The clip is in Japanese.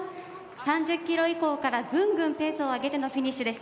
３０キロ以降からぐんぐんペースを上げてのフィニッシュでした。